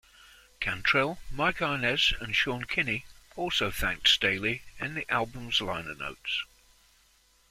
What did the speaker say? Cantrell, Mike Inez and Sean Kinney also thanked Staley in the album's liner notes.